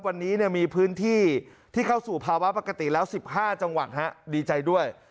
วันนี้มีพื้นที่ที่เข้าสู่ภาวะปกติแล้ว๑๕จังหวัดดีใจด้วย